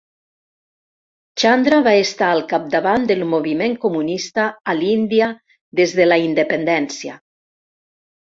Chandra va estar al capdavant del moviment comunista a l'Índia des de la independència.